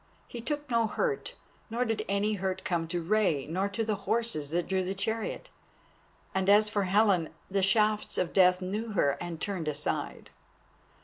He took no hurt, nor did any hurt come to Rei nor to the horses that drew the chariot, and as for Helen, the shafts of Death knew her and turned aside.